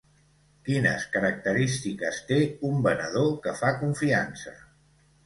Quines característiques té un venedor que fa confiança?